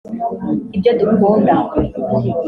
ibyo dukunda